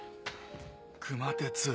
熊徹。